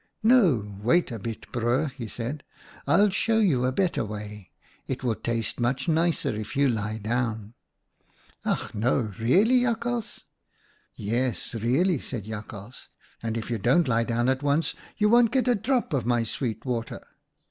"' No, wait a bit, Broer,' he said. ' I'll show you a better way. It will taste much nicer if you lie down.' "' Ach no ! really, Jakhals ?'"' Yes, really,' said Jakhals. ■ And if you don't lie down at once, you won't get a drop of my sweet water.'